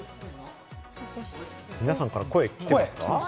皆さんから声が来てますか？